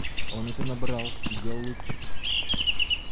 Он это набрал, голубчик!